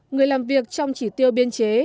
người làm việc trong chỉ tiêu biên chế